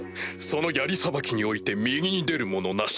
その槍さばきにおいて右に出る者なし。